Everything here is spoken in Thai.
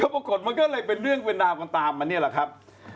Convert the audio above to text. นี่แหละมันก็เลยเป็นเรื่องเวลาตามมาเนี่ยแหละครับ